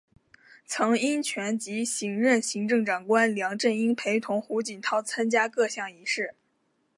曾荫权及新任行政长官梁振英陪同胡锦涛参加各项仪式。